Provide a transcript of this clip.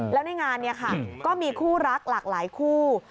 แล้วในงานเนี่ยค่ะก็มีคู่รักหลากหลายคู่